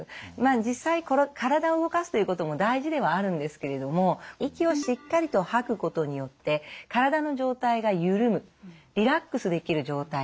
実際体を動かすということも大事ではあるんですけれども息をしっかりと吐くことによって体の状態が緩むリラックスできる状態